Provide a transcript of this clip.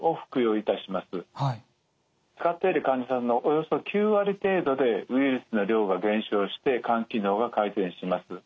使ってる患者さんのおよそ９割程度でウイルスの量が減少して肝機能が改善します。